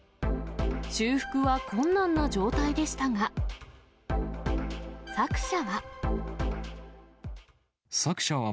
修復は困難な状態でしたが、作者は。